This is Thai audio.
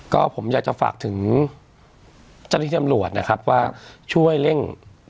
ก็ผมอยากจะฝากถึงเจ้าหน้าที่จำรวจนะครับว่าช่วยเร่ง